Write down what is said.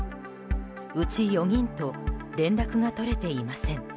うち４人と連絡が取れていません。